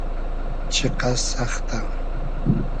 چیقئس سئختۂ